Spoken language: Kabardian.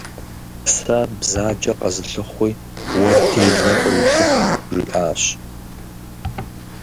«Сэ бзаджэ къэзылъхуи, уэ делэ къыулъху», - жиӀащ.